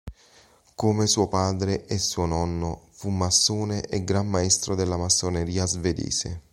Come suo padre e suo nonno, fu massone e Gran Maestro della Massoneria svedese.